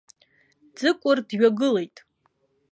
Ӡыкәыр дҩагылеит.